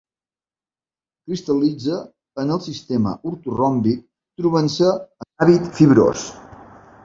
Cristal·litza en el sistema ortoròmbic trobant-se en hàbit fibrós.